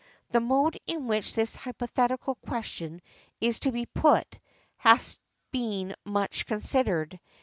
The mode in which this hypothetical question is to be put has been much considered.